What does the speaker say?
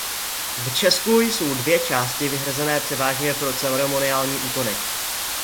V Česku jsou dvě části vyhrazené převážně pro ceremoniální úkony.